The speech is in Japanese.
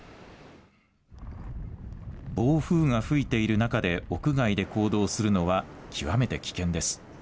暴風が吹いている中で屋外で行動するのは極めて危険です。